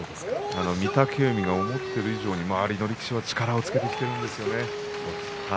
御嶽海が思っている以上に周りの力士が力をつけてきているんですよね。